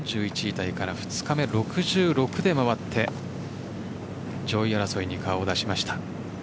タイから２日目、６６で回って上位争いに顔を出しました。